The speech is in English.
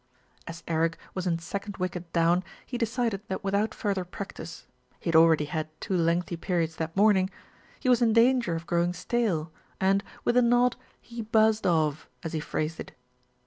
As Eric was in second wicket down, he decided that without further practice (he had already had two lengthy periods that morning) he was in danger of growing stale and, with a nod, he "buzzed off," as he phrased it.